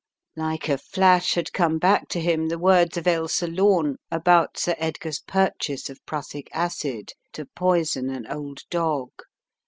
Like a flash had come back to him the words of Ailsa Lome about Sir Edgar's purchase of prussic acid to poison an old dog.